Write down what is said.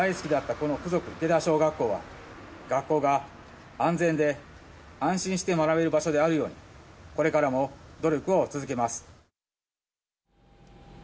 この附属池田小学校は、学校が安全で安心して学べる場所であるように、これからも努力を続けます。